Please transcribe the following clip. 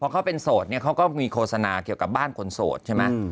เขาเป็นโสดเนี่ยเขาก็มีโฆษณาเกี่ยวกับบ้านคนโสดใช่ไหม